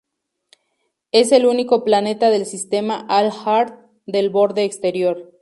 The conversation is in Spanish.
Es el único planeta del sistema "Al’Har" del Borde Exterior.